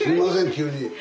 急に。